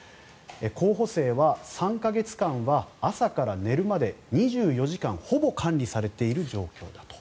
候補生は３か月間は朝から寝るまで２４時間ほぼ管理されている状況だと。